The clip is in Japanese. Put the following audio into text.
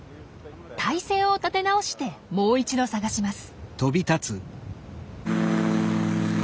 態勢を立て直してもう一度探します。